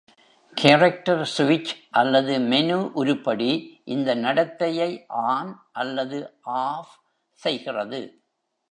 "Character " சுவிட்ச் அல்லது menu உருப்படி இந்த நடத்தையை ஆன் அல்லது ஆஃப் செய்கிறது.